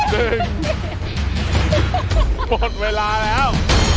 หมดเวลาแล้ว